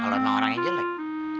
kalo emang orangnya jelek